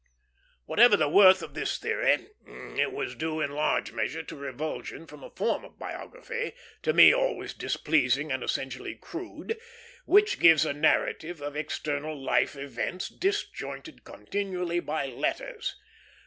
Whatever the worth of this theory, it was due in large measure to revulsion from a form of biography, to me always displeasing and essentially crude, which gives a narrative of external life events, disjointed continually by letters.